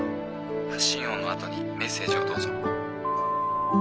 発信音のあとにメッセージをどうぞ」。